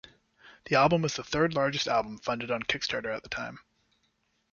The album was the third-largest album funded on Kickstarter at the time.